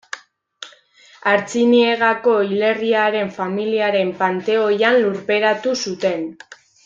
Artziniegako hilerriaren familiaren panteoian lurperatu zuten.